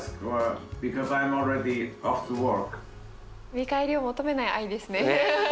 見返りを求めない愛ですね。